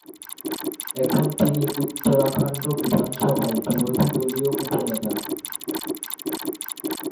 এখন তিনি উত্তরাখণ্ড বিধানসভায় বিরোধী দলীয় উপ-নেতা।